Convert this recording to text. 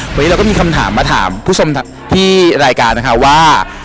วันนี้เราก็มีคำถามมาถามผู้ชมที่รายการนะคะว่า